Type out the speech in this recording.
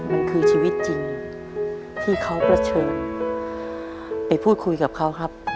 มันคือชีวิตจริงที่เขาเผชิญไปพูดคุยกับเขาครับ